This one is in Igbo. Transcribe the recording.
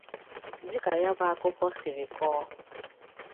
Dịka ya bụ akụkọ siri kọọ